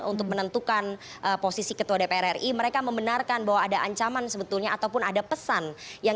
untuk menentukan posisi ketua dpr ri mereka membenarkan bahwa ada ancaman sebetulnya